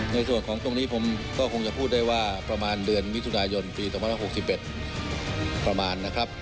ในส่วนของตรงนี้ผมก็คงจะพูดได้ว่าประมาณเดือนมิถุนายนปี๒๐๖๑ประมาณนะครับ